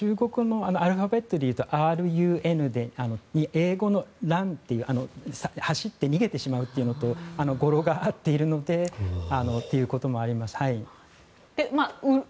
アルファベットでいうと「ＲＵＮ」で英語の「ＲＵＮ」という走って逃げてしまうというのとゴロが合っているということもありまして。